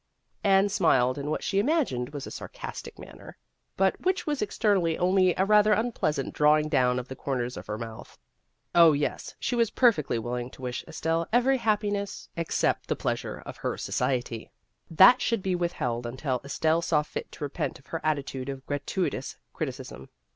Anne smiled in what she imagined was a sarcastic manner, but which was externally only a rather unpleasant drawing down of the corners of her mouth. Oh, yes, she was perfectly willing to wish Estelle every happiness except the pleasure of her soci ety. That should be withheld until Estelle saw fit to repent of her attitude of gratui tous criticism.